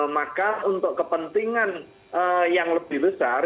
maka untuk kepentingan yang lebih besar